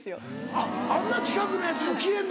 あっあんな近くのやつも消えんの？